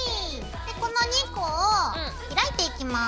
この２個を開いていきます。